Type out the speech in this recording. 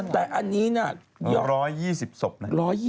แต่อันนี้เนี่ย